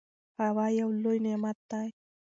هوا یو لوی نعمت دی.